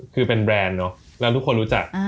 คือเป็นแบรนด์เนอะแล้วทุกคนรู้จัก